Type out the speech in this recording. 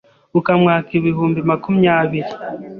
ukamwaka ibihumbi makumyabiri ,